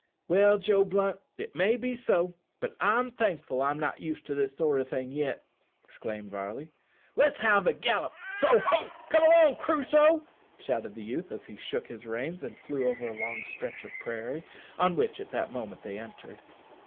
"Well, Joe Blunt, it may be so, but I'm thankful I'm not used to this sort o' thing yet," exclaimed Varley. "Let's have another gallop so ho! come along, Crusoe!" shouted the youth as he shook his reins and flew over a long stretch of prairie on which at that moment they entered.